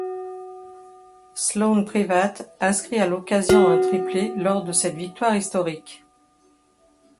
Sloan Privat inscrit à l'occasion un triplé lors de cette victoire historique.